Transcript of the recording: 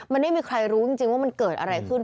มันไม่มีใครรู้จริงว่ามันเกิดอะไรขึ้น